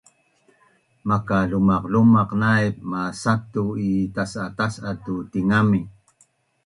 Maka lumaqlumaq naip masatu’ i tas’a tas’a tu tingami